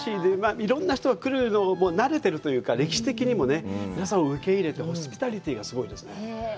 いろんな人が来るの、慣てるというか、歴史的にもね、皆さんを受け入れてホスピタリティがすごいですね。